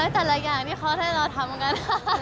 แต่ละอย่างที่เขาให้เราทำกัน